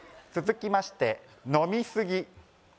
「続きまして飲みすぎ」